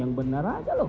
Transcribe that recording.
yang benar aja loh